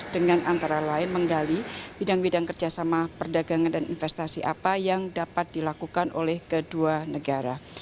dengan antara lain menggali bidang bidang kerjasama perdagangan dan investasi apa yang dapat dilakukan oleh kedua negara